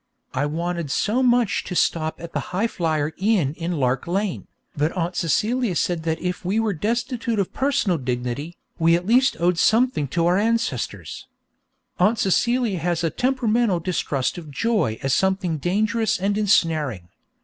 I wanted so much to stop at the Highflyer Inn in Lark Lane, but Aunt Celia said that if we were destitute of personal dignity, we at least owed something to our ancestors. Aunt Celia has a temperamental distrust of joy as something dangerous and ensnaring.